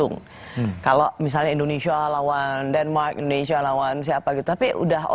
gara drama gak tuh